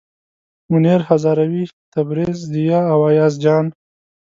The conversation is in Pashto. منیر هزاروي، تبریز، ضیا او ایاز جان.